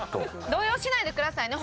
動揺しないでくださいね。